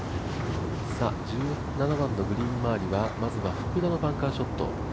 １７番のグリーン周りはまずは福田のショット。